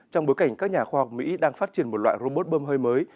trong bối cảnh các nhà khoa học mỹ đang phát triển một loại robot bơm hơi mới